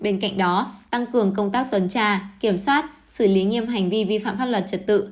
bên cạnh đó tăng cường công tác tuần tra kiểm soát xử lý nghiêm hành vi vi phạm pháp luật trật tự